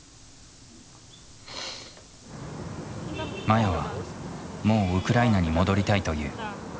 マヤはもうウクライナに戻りたいと言う。